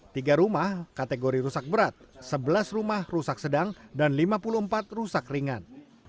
tiga rumah kategori rusak berat sebelas rumah rusak sedang dan lima puluh empat rusak ringan